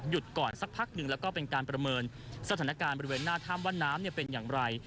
ก่อนสักพักหนึ่งแล้วก็เป็นการประเมินสถานการณ์บริเวณหน้าถ้ำว่าน้ำเป็นอย่างไร